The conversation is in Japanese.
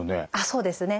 そうですね。